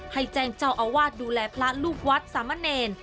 ให้แจ้งเจ้าอาวาสดูแลพระลูกวัดสามะเนร